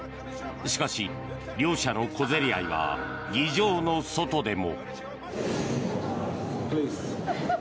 しかし、両者の小競り合いは議場の外でも。